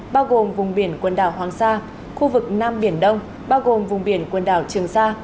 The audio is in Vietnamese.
bao gồm vùng biển quần đảo hoàng sa khu vực nam biển đông bao gồm vùng biển quần đảo trường sa